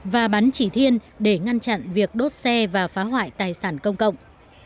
và bắn chỉ thiên để ngăn chặn việc đốt xe và phá hoại tài sản công cộng